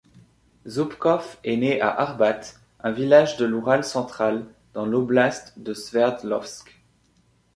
Zoubkov est né à Arbat, un village de l'Oural central, dans l'oblast de Sverdlovsk.